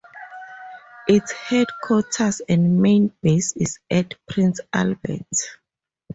Its headquarters and main base is at Prince Albert.